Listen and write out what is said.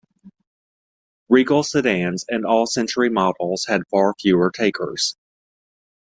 Regal sedans and all Century models had far fewer takers.